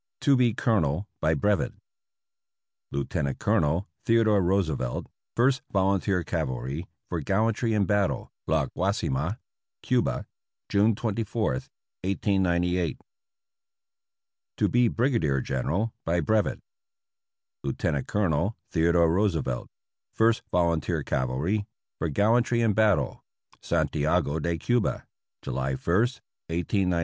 To be Colonel by Brevet. Lieutenant Colonel Theodore Roosevelt, First Volunteer Cavalry, for gallantry in battle. La Guasima, Cuba, June 24, 1898. To be Brigadier General by Brevet. Lietenant Colonel Theodore Roosevelt, First Volunteer Cavalry, for gallantry in battle, Santiago de Cuba, July i , 1898.